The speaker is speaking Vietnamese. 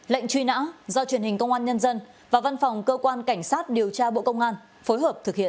lệnh truy nã do truyền hình công an nhân dân và văn phòng cơ quan cảnh sát điều tra bộ công an phối hợp thực hiện